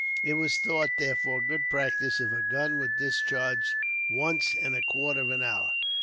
It was thought, therefore, good practice if a gun were discharged once in a quarter of an hour.